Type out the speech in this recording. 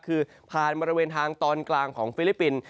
คือผ่านบริเวณทางตอนกลางของฟิลิปปินส์